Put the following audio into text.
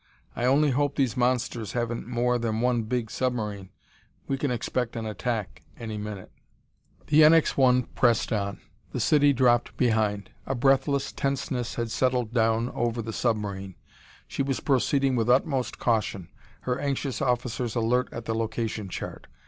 I only hope these monsters haven't more than one big submarine. We can expect an attack any minute...." The NX 1 pressed on. The city dropped behind. A breathless tenseness had settled down over the submarine; she was proceeding with utmost caution, her anxious officers alert at the location chart.